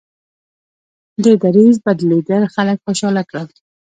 د دریځ بدلېدل خلک خوشحاله کړل.